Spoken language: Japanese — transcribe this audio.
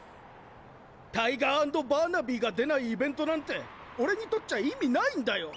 タイガー＆バーナビーが出ないイベントなんて俺にとっちゃ意味ないんだよ！